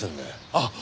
あっ！